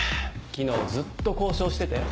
昨日ずっと交渉してたよ。